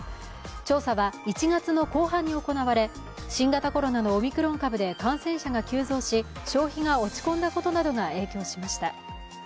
調査は１月の後半に行われ新型コロナのオミクロン株で感染者が急増し、消費が落ち込んだことなどが影響しました。